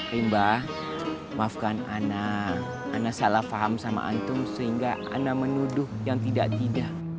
rimba maafkan ana salah faham sama antum sehingga ana menuduh yang tidak tidak